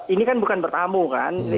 ini kan bukan bertamu kan